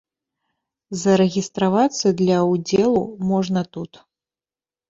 Зарэгістравацца для ўдзелу можна тут.